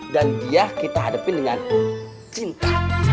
dan dia kita hadapi dengan cinta